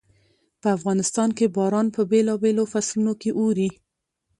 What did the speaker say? په افغانستان کې باران په بېلابېلو فصلونو کې اوري.